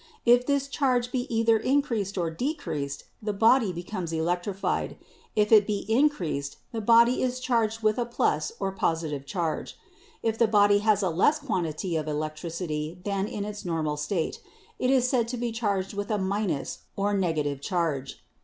If this charge be either increased or decreased, the body becomes 'electrified'; if it be increased, the body is charged with a 'plus' or positive charge; if the body has a less quantity of electricity than in its normal state, it is said to be charged with a 'minus' or negative charge.